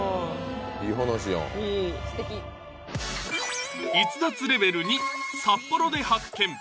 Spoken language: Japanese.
すてき逸脱レベル２札幌で発見！